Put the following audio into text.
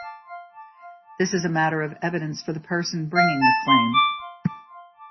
This is a matter of evidence for the person bringing the claim.